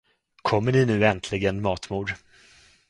Kommer ni nu äntligen, matmor?